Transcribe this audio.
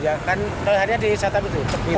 ya kan terlihatnya di satan itu